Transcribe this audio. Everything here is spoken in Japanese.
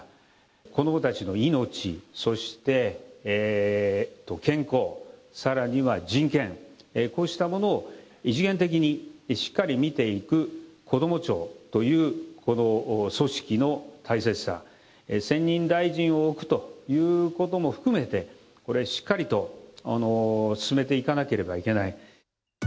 子どもたちの命、そして健康、さらには人権、こうしたものを一元的にしっかり見ていくこども庁というこの組織の大切さ、専任大臣を置くということも含めて、これ、しっかりと進めていかなければいけない。